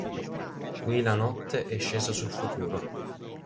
Qui la notte è scesa sul futuro.